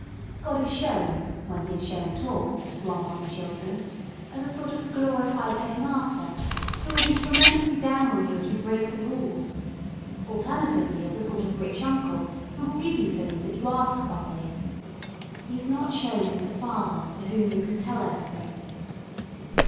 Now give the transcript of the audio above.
God is shown, when He is shown at all, to our modern children, as a sort of glorified head master, who will be tremendously down on you if you break the rules: alternatively as a sort of rich uncle who will give you things if you ask properly. He is not shown as the Father to whom you can tell everything.